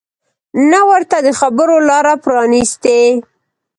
نه ورته د خبرو لاره پرانیستې